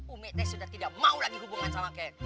umi teh sudah tidak mau lagi hubungan sama kalian